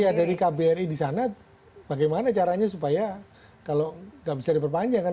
iya dari kbri di sana bagaimana caranya supaya kalau nggak bisa diperpanjang kan